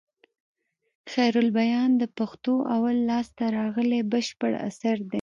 خيرالبيان د پښتو اول لاسته راغلى بشپړ اثر دئ.